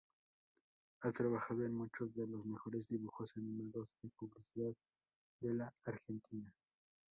Ha trabajado en muchos de los mejores dibujos animados de publicidad de la Argentina.